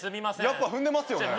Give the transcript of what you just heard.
やっぱ踏んでますよね